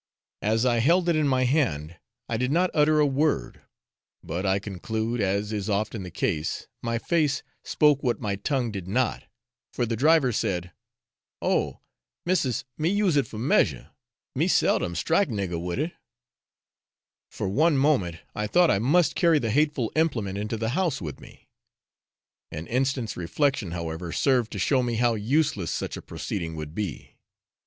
As I held it in my hand, I did not utter a word; but I conclude, as is often the case, my face spoke what my tongue did not, for the driver said, 'Oh! Missis, me use it for measure me seldom strike nigger with it.' For one moment I thought I must carry the hateful implement into the house with me. An instant's reflection, however, served to show me how useless such a proceeding would be.